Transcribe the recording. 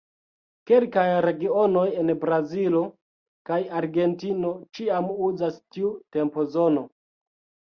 Kelkaj regionoj en Brazilo kaj Argentino ĉiam uzas tiu tempozono.